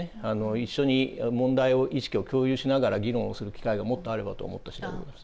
一緒に問題意識を共有しながら議論をする機会がもっとあればと思った次第でございます。